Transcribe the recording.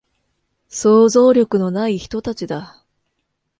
想像力のない人たちだ